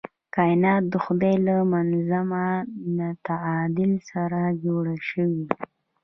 کائنات د خدای له منظم تعادل سره جوړ شوي.